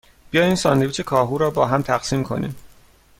بیا این ساندویچ کاهو را باهم تقسیم کنیم.